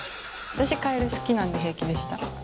私、カエル好きなんで、平気でした。